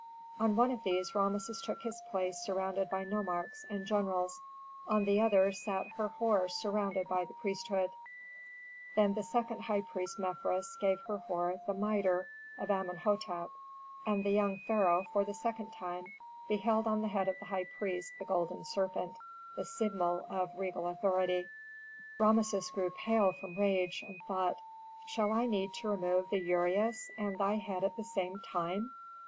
On one of these Rameses took his place surrounded by nomarchs and generals, on the other sat Herhor surrounded by the priesthood. Then the high priest Mefres gave Herhor the mitre of Amenhôtep and the young pharaoh for the second time beheld on the head of the high priest the golden serpent, the symbol of regal authority. Rameses grew pale from rage, and thought: "Shall I need to remove the ureus and thy head at the same time?"